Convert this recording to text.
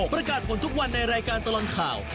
ประกาศผลทุกวันในรายการตลอดข่าว